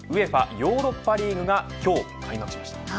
ヨーロッパリーグが今日、開幕しました。